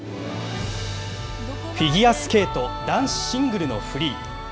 フィギュアスケート男子シングルのフリー。